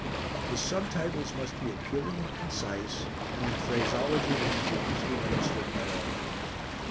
The sub titles must be appealing and concise, and in phraseology that can be easily understood by all.